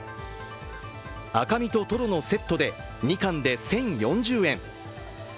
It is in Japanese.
赤身とトロのセットで２貫で１０４０円。